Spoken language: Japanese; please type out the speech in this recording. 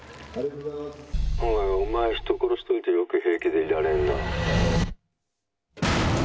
おい、お前、人殺しといてよく平気でいられるな。